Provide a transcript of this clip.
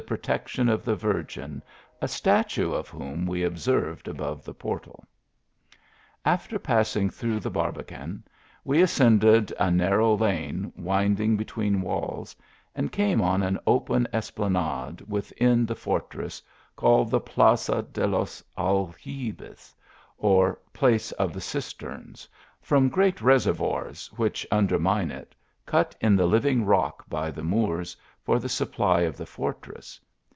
protection of the Virgin, a statue of whom we o,b served above the portal. After passing through the Barbican, we ascended a narrow lane, winding between walls, and came on an open esplanade within the fortress, called the Plaza de los Algibes, or Place of the Cisterns, from great reservoirs which undermine it, cut in the living rock by the Moors, for the supply of the fortress.